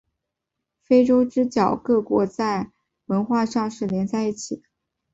非洲之角各国在文化上是连在一起的。